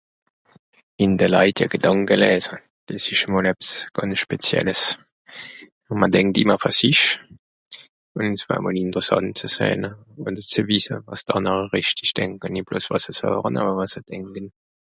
ìn de Leité Gedànke lässe des esch mòl ebs gàne schpézielles ùn man denkt ìmmer ver sisch ùn s'war à mòl ìnteressànt zu sähne ùn zu wisse wàs d'ànere rìchtich denke nìt Bleuss wàs sie sàren hàn wàs se denken